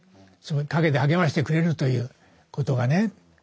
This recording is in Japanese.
陰で励ましてくれるということがね。